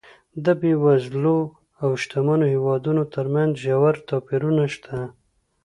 د بېوزلو او شتمنو هېوادونو ترمنځ ژور توپیرونه شته.